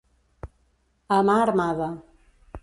A mà armada.